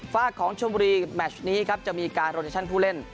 ฟ้าของชมบุรีแมทช์นี้จะมีการโรเทชั่นผู้เล่น